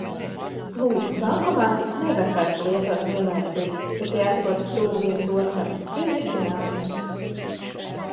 Lūk, bankomātus nevar vairs lietot vienlaicīgi, ja tie atrodas tuvu viens otram. Ir risinājums.